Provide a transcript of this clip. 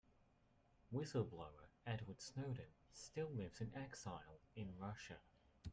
Whistle-blower Edward Snowden still lives in exile in Russia.